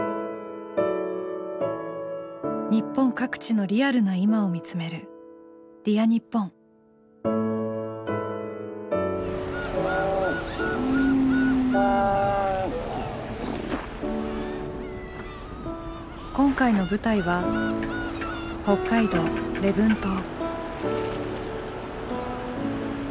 日本各地のリアルな今を見つめる今回の舞台は北海道礼文島。